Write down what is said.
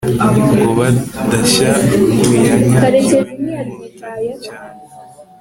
ngo badashya ngo yanyagiwe ninkotanyi cyane